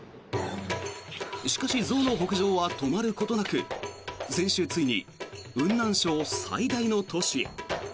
しかし、象の北上は止まることなく先週、ついに雲南省最大の都市へ。